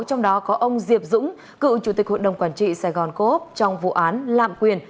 trong đó có ông diệp dũng cựu chủ tịch hội đồng quản trị sài gòn cố úc trong vụ án lạm quyền